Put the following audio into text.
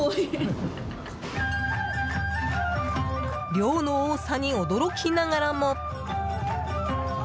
量の多さに驚きながらも。